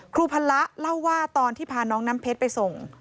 พละเล่าว่าตอนที่พาน้องน้ำเพชรไปส่ง